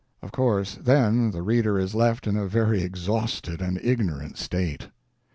Of course, then, the reader is left in a very exhausted and ignorant state.